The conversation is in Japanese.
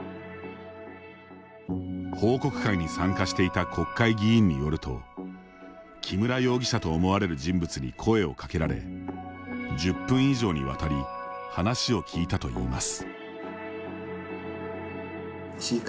報告会に参加していた国会議員によると木村容疑者と思われる人物に声をかけられ１０分以上にわたり話を聞いたといいます。